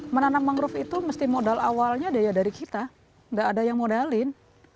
menanam mangrove itu mesti modal awalnya dari kita nggak ada yang modalin